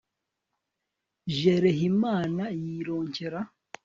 JIREHIMANA YIRONKERA